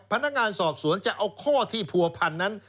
พนักงานสอบสวนจะเอาข้อที่ผัวพันนั้น